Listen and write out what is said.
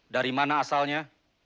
dari mana asalnya